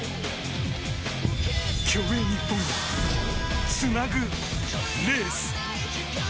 競泳日本をつなぐレース。